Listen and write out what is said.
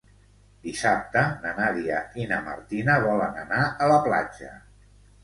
Dissabte na Nàdia i na Martina volen anar a la platja.